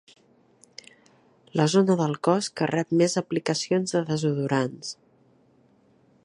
La zona del cos que rep més aplicacions de desodorants.